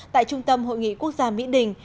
tại trung tâm hội nghị quốc gia mỹ đình